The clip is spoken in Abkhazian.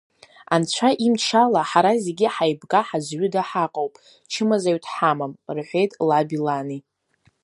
Анцәа имч ала ҳара зегьы ҳаибга-ҳазҩыда ҳаҟоуп, чымазаҩ дҳамам, – рҳәеит лаби лани.